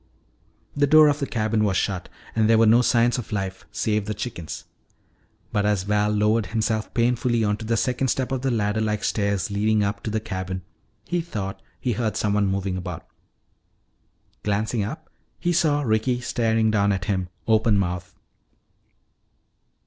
The door of the cabin was shut and there were no signs of life save the chickens. But as Val lowered himself painfully onto the second step of the ladder like stairs leading up to the cabin, he thought he heard someone moving around. Glancing up, he saw Ricky staring down at him, open mouthed.